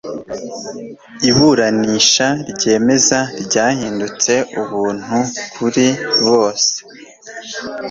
iburanisha ryemeza ryahindutse ubuntu-kuri-bose